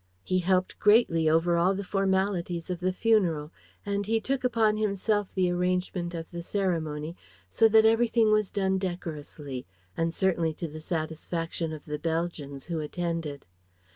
He helped greatly over all the formalities of the funeral, and he took upon himself the arrangement of the ceremony, so that everything was done decorously, and certainly to the satisfaction of the Belgians, who attended.